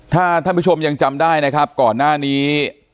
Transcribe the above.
ถ้าท่านผู้ชมยังจำได้นะครับก่อนหน้านี้